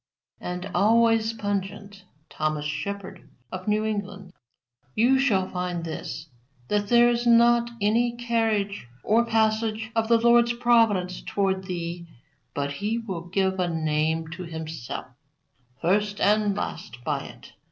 And always pungent Thomas Shepard of New England: "You shall find this, that there is not any carriage or passage of the Lord's providence toward thee but He will get a name to Himself, first and last, by it.